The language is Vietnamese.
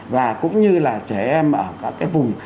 và cũng như là trẻ em ở các cái vùng